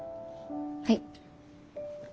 はい。